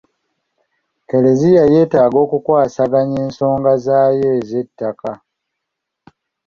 Kleziya yeetaaga okukwasaganya ensonga zaayo ez'ettaka.